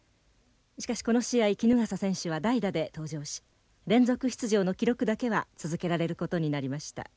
しかしこの試合衣笠選手は代打で登場し連続出場の記録だけは続けられることになりました。